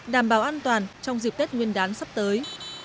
đảm bảo an toàn trong dịp tết nguyên đán sắp tới